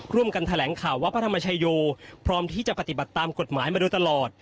ร่วมกันแถลงข่าวว่าพระธรรมชโยพร้อมที่จะปฏิบัติตามกฎหมายมาโดยตลอด